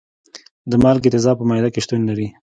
د مالګې تیزاب په معده کې شتون لري.